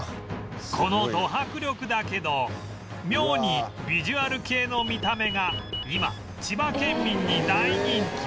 このド迫力だけど妙にビジュアル系の見た目が今千葉県民に大人気